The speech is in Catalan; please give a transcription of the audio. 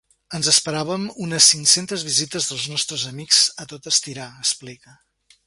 Ens esperàvem unes cinc-centes visites dels nostres amics, a tot estirar, explica.